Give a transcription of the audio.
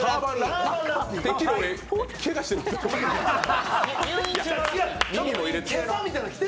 てっきり俺、けがしてるんかなって。